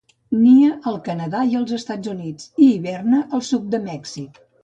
Nia al Canadà i els Estats Units i hiberna al sud de Mèxic.